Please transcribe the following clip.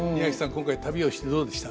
今回旅をしてどうでした？